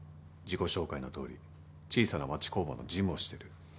自己紹介のとおり小さな町工場の事務をしてる。